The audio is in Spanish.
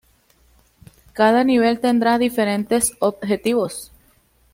Cada nivel tendrá diferentes objetivos.